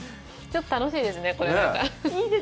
ちょっと楽しいですね。